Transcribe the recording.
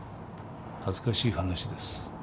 恥ずかしい話です